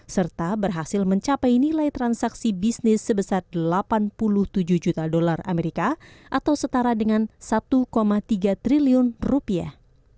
serta berhasil mencapai nilai transaksi bisnis sebesar delapan puluh tujuh juta dolar amerika atau setara dengan satu tiga triliun rupiah